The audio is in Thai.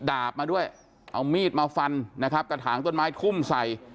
ดาบมาด้วยเอามีดมาฟันนะครับกระถางต้นไม้ทุ่มใส่